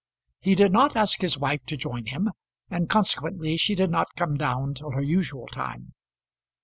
He did not ask his wife to join him, and consequently she did not come down till her usual time.